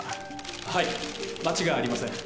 はい間違いありません。